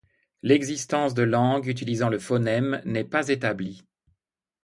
L'existence de langues utilisant le phonème n'est pas établie.